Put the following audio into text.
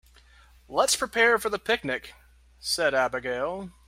"Let's prepare for the picnic!", said Abigail.